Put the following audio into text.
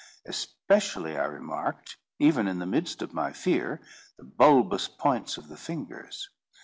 Especially I remarked, even in the midst of my fear, the bulbous points of the fingers.